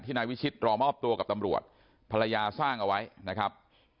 นายวิชิตรอมอบตัวกับตำรวจภรรยาสร้างเอาไว้นะครับ